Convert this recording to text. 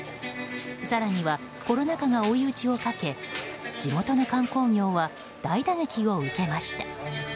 更にはコロナ禍が追い打ちをかけ地元の観光業は大打撃を受けました。